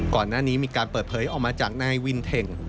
ก่อนหน้านี้มีการเปิดเผยออกมาจากนายวินเท่ง